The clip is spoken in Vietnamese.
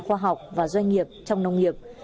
nhà khoa học và doanh nghiệp trong nông nghiệp